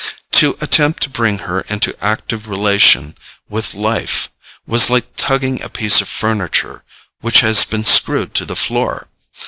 To attempt to bring her into active relation with life was like tugging at a piece of furniture which has been screwed to the floor.